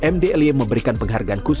mdlj memberikan penghargaan kepentingan